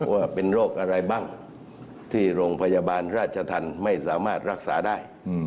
ว่าเป็นโรคอะไรบ้างที่โรงพยาบาลราชธรรมไม่สามารถรักษาได้